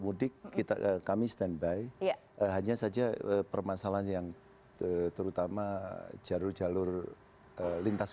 mudik kita kami standby iya hanya saja permasalahannya yang terutama jarur jalur lintas